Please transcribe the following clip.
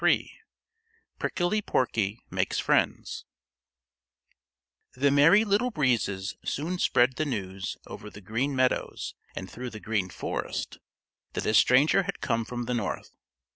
III PRICKLY PORKY MAKES FRIENDS The Merry Little Breezes soon spread the news over the Green Meadows and through the Green Forest that a stranger had come from the North.